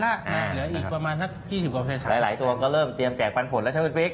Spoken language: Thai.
เหลืออีกประมาณสัก๒๐กว่าเปอร์เซ็นหลายตัวก็เริ่มเตรียมแจกปันผลแล้วใช่ไหมพี่ปิ๊ก